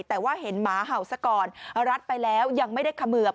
แต่ว่าเห็นหมาเห่าซะก่อนรัดไปแล้วยังไม่ได้เขมือบ